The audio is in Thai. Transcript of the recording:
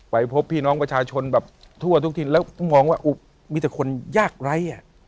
พบพี่น้องประชาชนแบบทั่วทุกถิ่นแล้วมองว่ามีแต่คนยากไร้